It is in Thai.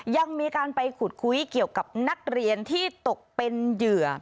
ยังมีการไปขุดคุยเกี่ยวกับนักเรียนที่ตกเป็นเหยื่อ